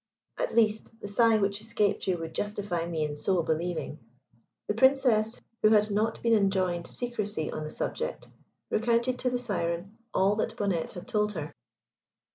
At least the sigh which escaped you would justify me in so believing." The Princess, who had not been enjoined secresy on the subject, recounted to the Syren all that Bonnette had told her.